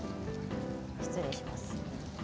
失礼します。